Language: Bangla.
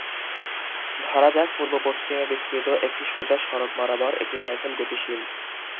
ধরা যাক, পূর্ব পশ্চিমে বিস্তৃত একটি সোজা সড়ক বরাবর একটি সাইকেল গতিশীল।